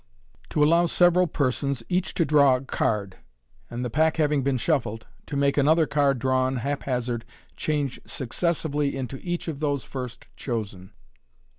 to allow several persons each to draw a card, and thi Pack having been Shuffled, to make another Card drawn haphazard change successively into each op those first chosen.